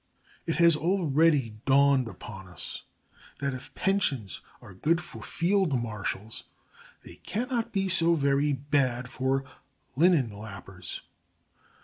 It has already dawned upon us that, if pensions are good for field marshals, they cannot be so very bad for linen lappers.